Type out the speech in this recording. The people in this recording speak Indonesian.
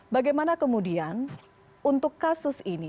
bagaimana kemudian untuk kasus ini